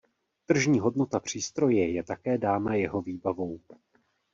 Tržní hodnota přístroje je také dána jeho výbavou.